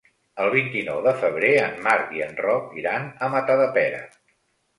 El vint-i-nou de febrer en Marc i en Roc iran a Matadepera.